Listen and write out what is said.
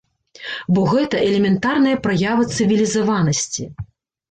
Бо гэта элементарная праява цывілізаванасці.